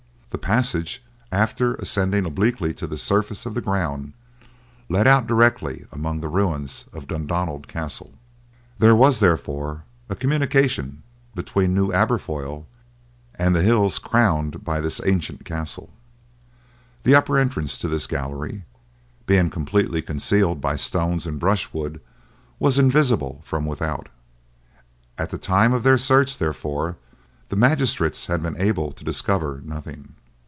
The passage, after ascending obliquely to the surface of the ground, led out directly among the ruins of Dundonald Castle. There was, therefore, a communication between New Aberfoyle and the hills crowned by this ancient castle. The upper entrance to this gallery, being completely concealed by stones and brushwood, was invisible from without; at the time of their search, therefore, the magistrates had been able to discover nothing.